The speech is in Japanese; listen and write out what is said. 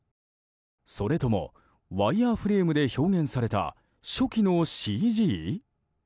それとも、ワイヤフレームで表現された初期のＣＧ？